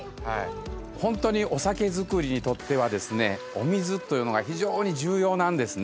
本当にお酒造りにとってはですねお水というのが非常に重要なんですね。